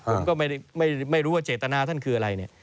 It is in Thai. ผมก็ไม่รู้ว่าเจตนาท่านคืออะไรเนี่ย